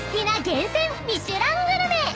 厳選ミシュラングルメ］